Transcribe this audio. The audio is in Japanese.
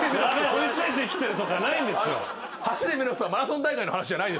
追い付いてきてる！とかないんですよ。